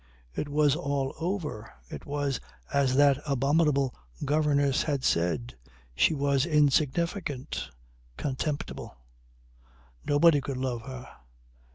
It was all over. It was as that abominable governess had said. She was insignificant, contemptible. Nobody could love her.